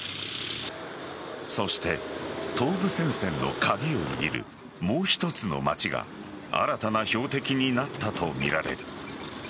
そして、東部戦線の鍵を握るもう一つの街が新たな標的になったとみられる。